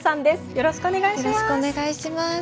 よろしくお願いします。